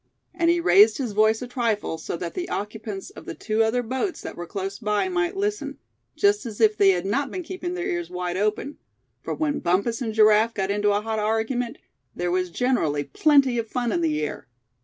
and he raised his voice a trifle, so that the occupants of the two other boats that were close by, might listen; just as if they had not been keeping their ears wide open; for when Bumpus and Giraffe got into a hot argument, there was generally plenty of fun in the air.